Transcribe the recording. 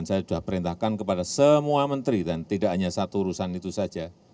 saya sudah perintahkan kepada semua menteri dan tidak hanya satu urusan itu saja